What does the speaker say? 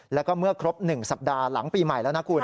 แล้วก็เมื่อครบ๑สัปดาห์หลังปีใหม่แล้วนะคุณ